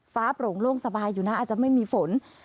โปร่งโล่งสบายอยู่นะอาจจะไม่มีฝน